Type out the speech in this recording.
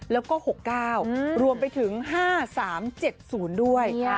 แล้วก็๖๙รวมไปถึง๕๓๗๐ด้วย